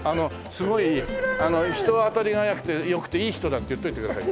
すごい人当たりがよくていい人だって言っといてください。